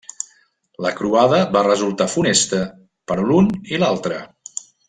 La croada va resultar funesta per a l'un i l'altre.